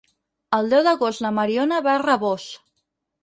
El deu d'agost na Mariona va a Rabós.